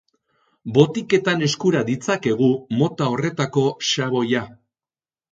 Botiketan eskura ditzakegu mota horretako xaboia.